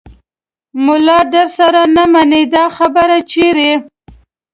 ملا درسره نه منمه دا خبره چیرې